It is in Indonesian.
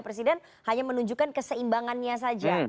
presiden hanya menunjukkan keseimbangannya saja